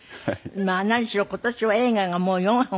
まあ何しろ今年は映画がもう４本も。